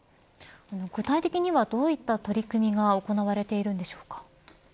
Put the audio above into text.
具体的にはどういった取り組みが行われているんでしょうか。